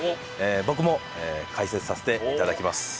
僕も解説させていただきます。